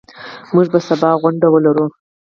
موږ به سبا غونډه ولرو.